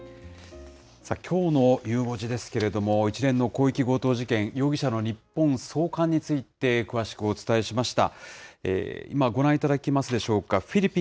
きょうのゆう５時ですけれども、一連の広域強盗事件、容疑者の日本送還について、詳しくお伝えしました。